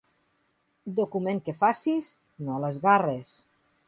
Document que facis, no l'esgarres.